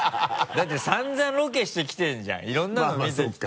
だって散々ロケしてきてるじゃんいろんなの見てきて。